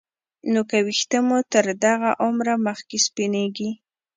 نو که ویښته مو تر دغه عمره مخکې سپینېږي